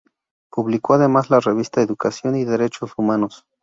Publicó además la revista "Educación y Derechos Humanos.